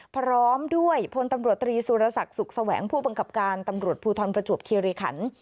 พร้อมด้วยพลตำรวจตรีสุรศักดิ์สุขแสวงผู้บังคับการตำรวจภูทรประจวบคิริขัน